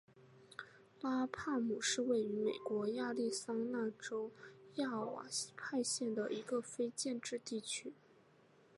拉帕姆是位于美国亚利桑那州亚瓦派县的一个非建制地区。